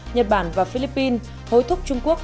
nhật bản và philippines hối thúc trung quốc